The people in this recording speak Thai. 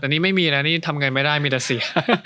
แต่นี่ไม่มีนะนี่ทำไงไม่ได้มีแต่เสีย